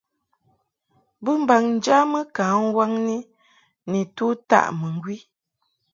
Bɨmbaŋ njamɨ ka nwaŋni nitu taʼ mɨŋgwi.